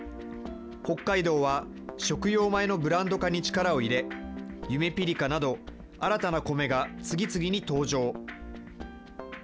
北海道は食用米のブランド化に力を入れ、ゆめぴりかなど、新たな米が次々に登場。